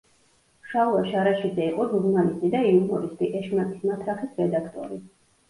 შალვა შარაშიძე იყო ჟურნალისტი და იუმორისტი, „ეშმაკის მათრახის“ რედაქტორი.